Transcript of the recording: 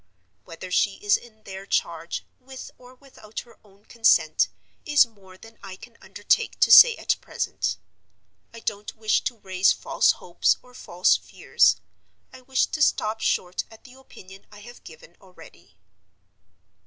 Whether she is in their charge, with or without her own consent, is more than I can undertake to say at present. I don't wish to raise false hopes or false fears; I wish to stop short at the opinion I have given already.